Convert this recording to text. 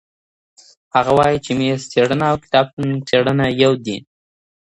هغه وایي چي میز څېړنه او کتابتون څېړنه یو دي.